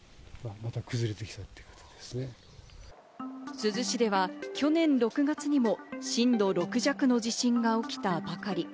珠洲市では、去年６月にも震度６弱の地震が起きたばかり。